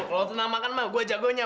kalau tenang makan mah gue jagonya